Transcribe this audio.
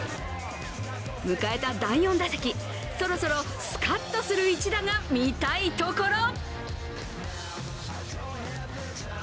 迎えた第４打席、そろそろスカッとする一打が見たいところ。